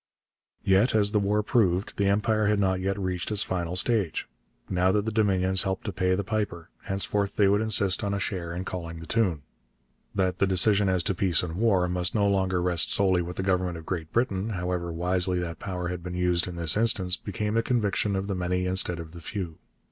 Yet, as the war proved, the Empire had not yet reached its final stage. Now that the Dominions helped to pay the piper, henceforth they would insist on a share in calling the tune. That the decision as to peace and war must no longer rest solely with the government of Great Britain, however wisely that power had been used in this instance, became the conviction of the many instead of the few.